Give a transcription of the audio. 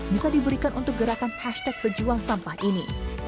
bisa diberikan untuk gerakan hashtag berjuang sampah ini